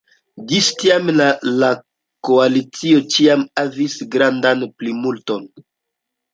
Ĝis tiam la koalicioj ĉiam havis grandan plimulton.